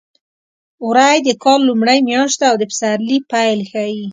وری د کال لومړۍ میاشت ده او د پسرلي پیل ښيي.